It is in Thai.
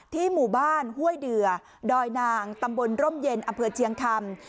หมู่บ้านห้วยเดือดอยนางตำบลร่มเย็นอำเภอเชียงคำ